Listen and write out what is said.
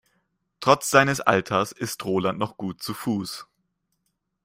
Trotz seines Alters ist Roland noch gut zu Fuß.